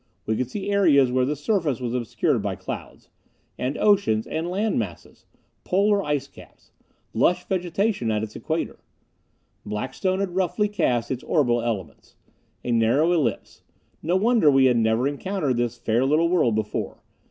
We could see areas where the surface was obscured by clouds. And oceans, and land masses. Polar icecaps. Lush vegetation at its equator. Blackstone had roughly cast its orbital elements. A narrow ellipse. No wonder we had never encountered this fair little world before.